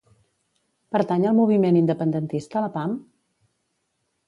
Pertany al moviment independentista la Pam?